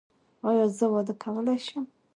ایا زه واده کولی شم؟